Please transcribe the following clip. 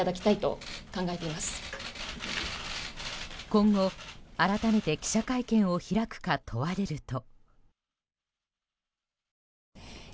今後、改めて記者会見を開くか問われると。